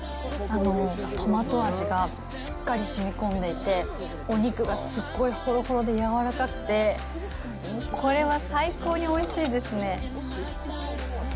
トマト味がしっかりしみ込んでいて、お肉がすっごいほろほろで、やわらかくて、これは最高においしいですね。